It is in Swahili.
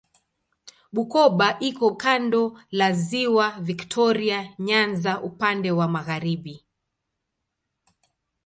Bukoba iko kando la Ziwa Viktoria Nyanza upande wa magharibi.